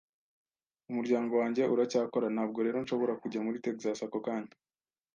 Umuryango wanjye uracyakora, ntabwo rero nshobora kujya muri Texas ako kanya.